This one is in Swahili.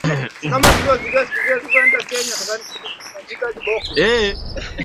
Kuwepo kwa vivutio hivyo inapelekea kuwepo kwa idadi kubwa ya watalii